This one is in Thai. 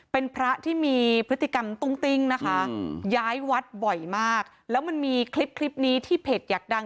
เป็นพระที่มีพฤติกรรมตุ้งติ้งนะคะย้ายวัดบ่อยมากแล้วมันมีคลิปคลิปนี้ที่เพจอยากดัง